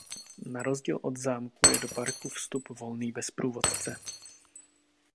Na rozdíl od zámku je do parku vstup volný bez průvodce.